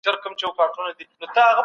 سندرې د تکرار له لارې زده کړه اسانه کوي.